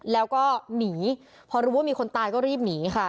แล้วก็หนีพอรู้ว่ามีคนตายก็รีบหนีค่ะ